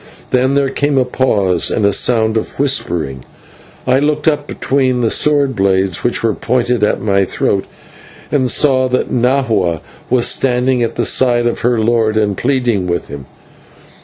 Then there came a pause and a sound of whispering. I looked up between the sword blades which were pointed at my throat, and saw that Nahua was standing at the side of her lord, and pleading with him.